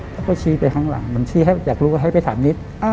แล้วก็ชี้ไปข้างหลังเหมือนชี้ให้อยากรู้ก็ให้ไปถามนิด